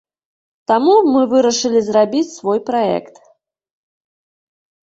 Таму мы вырашылі зрабіць свой праект.